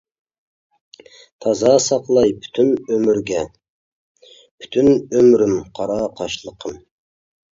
تازا ساقلاي پۈتۈن ئۆمۈرگە، پۈتۈن ئۆمرۈم، قارا قاشلىقىم.